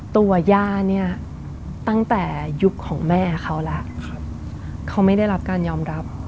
ย่าเนี่ยตั้งแต่ยุคของแม่เขาแล้วเขาไม่ได้รับการยอมรับ